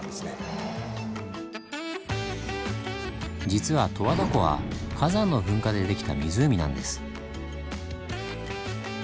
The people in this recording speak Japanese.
実は十和田湖は火山の噴火でできた湖なんです。